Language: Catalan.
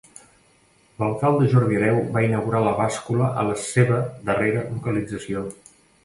L'alcalde Jordi Hereu va inaugurar la bàscula a la seva darrera localització.